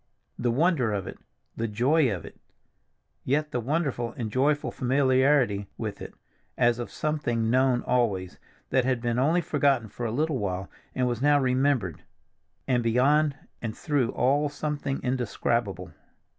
The wonder of it, the joy of it—yet the wonderful and joyful familiarity with it, as of something known always, that had been only forgotten for a little while, and was now remembered; and beyond and through all something indescribable.